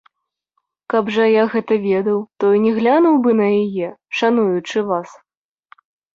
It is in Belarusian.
Каб жа я гэта ведаў, то і не глянуў бы на яе, шануючы вас.